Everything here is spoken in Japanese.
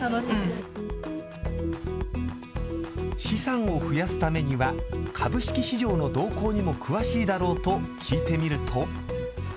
資産を増やすためには株式市場の動向にも詳しいだろうと聞いてみると。